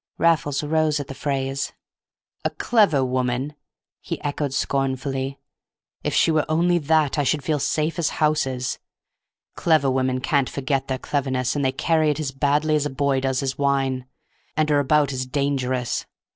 Raffles rose at the phrase. "A clever woman!" he echoed, scornfully; "if she were only that I should feel safe as houses. Clever women can't forget their cleverness, they carry it as badly as a boy does his wine, and are about as dangerous.